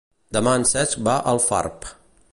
Demà en Cesc va a Alfarb.